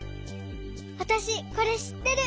わたしこれしってる。